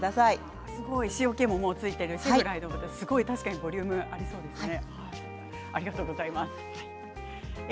塩けもついていますしボリュームがありそうですね。